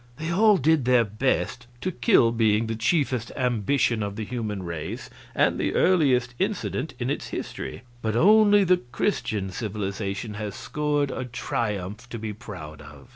They all did their best to kill being the chiefest ambition of the human race and the earliest incident in its history but only the Christian civilization has scored a triumph to be proud of.